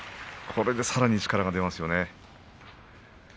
これでさらに力が出ますよね。